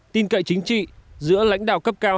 tin cậy chính trị giữa lãnh đạo cấp cao